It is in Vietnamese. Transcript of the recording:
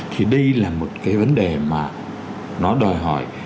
thì đây là một cái vấn đề mà nó đòi hỏi